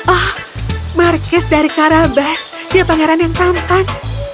oh markis dari karabas dia pangeran yang tampan